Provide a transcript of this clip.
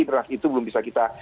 keras itu belum bisa kita